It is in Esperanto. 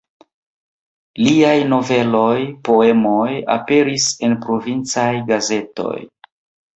Liaj noveloj, poemoj aperis en provincaj gazetoj.